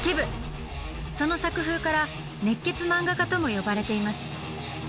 その作風から「熱血漫画家」とも呼ばれています。